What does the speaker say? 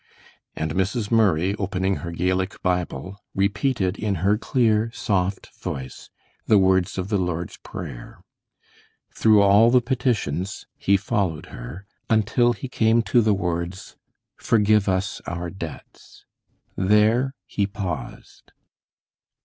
And Mrs. Murray, opening her Gaelic Bible, repeated in her clear, soft voice, the words of the Lord's Prayer. Through all the petitions he followed her, until he came to the words, "Forgive us our debts." There he paused.